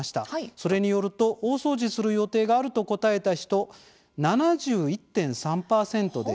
それによると大掃除する予定があると答えた人、７１．３％でした。